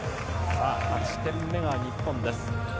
８点目は日本です。